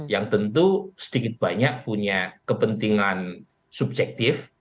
yang tentu sedikit banyak punya kepentingan subjektif